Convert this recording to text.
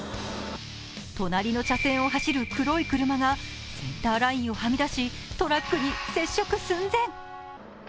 隣の車線を走る黒い車がセンターラインをはみ出しトラックに接触寸前。